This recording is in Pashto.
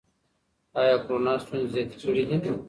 ایا کورونا ستونزې زیاتې کړي دي؟